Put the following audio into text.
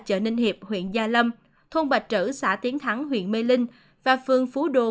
chợ ninh hiệp huyện gia lâm thôn bạch trữ xã tiến thắng huyện mê linh và phường phú đô